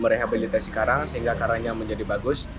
merehabilitasi karang sehingga karangnya menjadi bagus